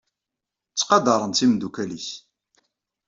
Ttqadaren-tt yimeddukal-nnes.